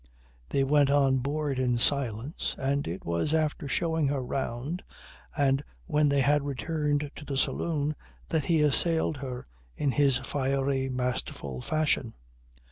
They went on board in silence, and it was after showing her round and when they had returned to the saloon that he assailed her in his fiery, masterful fashion.